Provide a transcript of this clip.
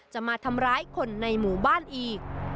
จะมาทำร้ายคนในหมู่บ้านอีก